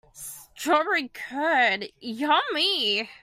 Strawberry curd, yummy!